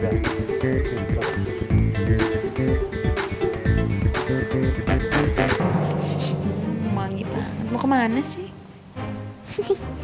emang gimana mau kemana sih